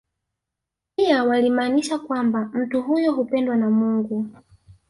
Pia walimaanisha kwamba mtu huyo hupendwa na Mungu